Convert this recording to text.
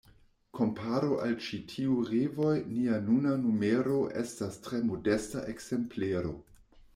Kompare al ĉi tiuj revoj nia nuna numero estas tre modesta ekzemplero.